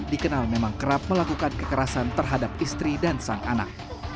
dikenal memang kerap melakukan kekerasan terhadap istri dan sang anak